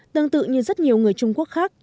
tương tự như rất nhiều người trung quốc khác